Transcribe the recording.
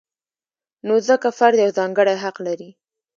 نو ځکه فرد یو ځانګړی حق لري.